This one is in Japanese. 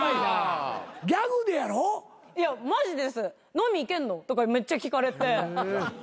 「飲み行けんの？」とかめっちゃ聞かれて。